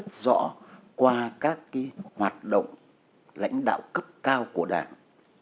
rất rõ qua các cái hoạt động lãnh đạo cấp cao của đảng